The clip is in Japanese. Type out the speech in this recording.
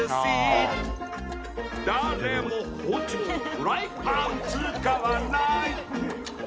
「誰も包丁・フライパン使わない」